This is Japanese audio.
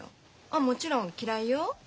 あもちろん嫌いよ。